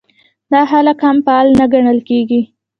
دا خلک هم فعال نه ګڼل کېږي.